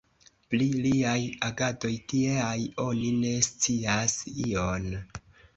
Pri liaj agadoj tieaj oni ne scias ion.